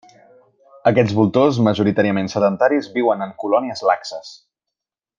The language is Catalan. Aquests voltors, majoritàriament sedentaris, viuen en colònies laxes.